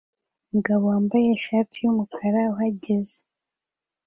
Umugabo wambaye ishati yumukara uhagaze